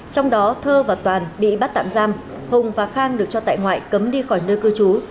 trong đó thơ và toàn bị bắt tạm giam hùng và khang được cho tại ngoại cấm đi khỏi nơi cư trú